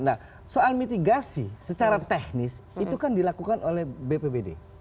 nah soal mitigasi secara teknis itu kan dilakukan oleh bpbd